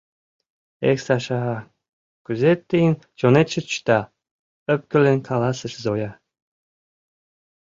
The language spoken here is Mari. — Эх, Саша, кузе тыйын чонетше чыта? — ӧпкелен каласыш Зоя.